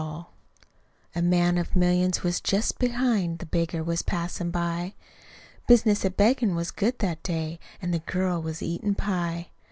..... A man of millions was just behind; The beggar was passin' by. Business at beggin' was good that day, An' the girl was eatin' pie.